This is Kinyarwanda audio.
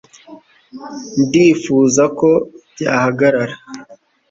ndifuza ko byahagarara